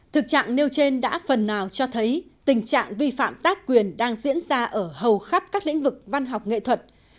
thực trạng nêu trên đã phần nào cho thấy tình trạng vi phạm tác quyền đang diễn ra ở hầu khắp các lĩnh vực văn học nghệ thuật